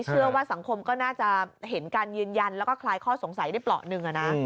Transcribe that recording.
เชื่อว่าสังคมก็น่าจะเห็นการยืนยันแล้วก็คลายข้อสงสัยได้เปราะหนึ่งนะ